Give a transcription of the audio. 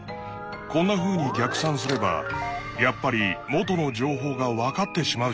こんなふうに逆算すればやっぱり「元の情報」がわかってしまうじゃないか！